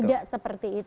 jadi di sana